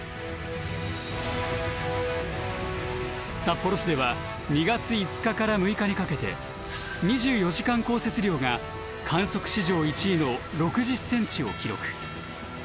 札幌市では２月５日から６日にかけて２４時間降雪量が観測史上１位の６０ｃｍを記録。